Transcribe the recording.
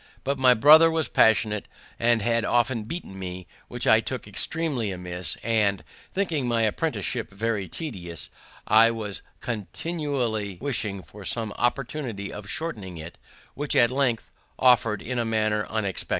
But my brother was passionate, and had often beaten me, which I took extreamly amiss; and, thinking my apprenticeship very tedious, I was continually wishing for some opportunity of shortening it, which at length offered in a manner unexpected.